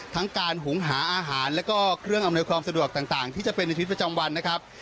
ทั้งการหุงหาอาหารแล้วก็เครื่องอำนวยความสะดวกต่างที่จะเป็นในชีวิตประจำวันนะครับ